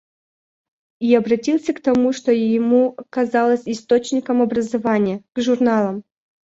И обратился к тому, что ему казалось источником образования, — к журналам.